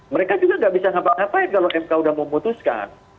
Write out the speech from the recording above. mereka juga nggak bisa ngapa ngapain kalau mk sudah memutuskan